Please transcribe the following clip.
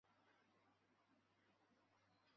具强刺激性。